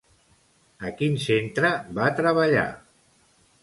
A quin centre va treballar?